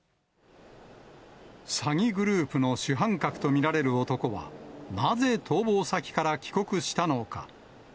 詐欺グループの主犯格と見られる男は、なぜ逃亡先から帰国したのか。